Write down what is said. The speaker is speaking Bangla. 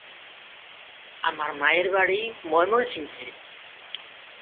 আমার মায়ের বাড়ি ময়মনসিংহে।